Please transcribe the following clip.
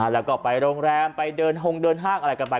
แล้วก็ไปโรงแรมไปเดินหงเดินห้างอะไรกันไป